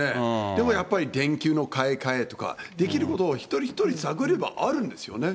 でもやっぱり、電球の買い替えとか、できることを一人一人探れば、あるんですよね。